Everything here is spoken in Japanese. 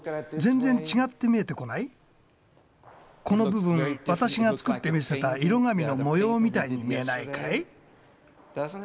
この部分私が作って見せた色紙の模様みたいに見えないかい？